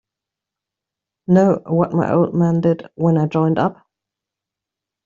Know what my old man did when I joined up?